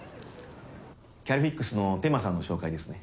キャリフィックスの天間さんの紹介ですね。